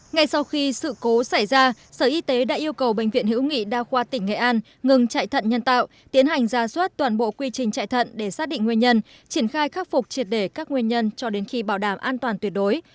ngay sau khi sự cố xảy ra sở y tế đã yêu cầu bệnh viện hữu nghị đa khoa tỉnh nghệ an ngừng chạy thận nhân tạo tiến hành ra suất toàn bộ quy trình chạy thận để xác định nguyên nhân triển khai khắc phục triệt để các nguyên nhân cho đến khi bảo đảm an toàn tuyệt đối